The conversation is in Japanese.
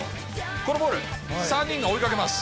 このボール、３人が追いかけます。